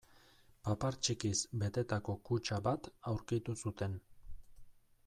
Papar txikiz betetako kutxa bat aurkitu zuten.